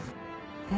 えっ？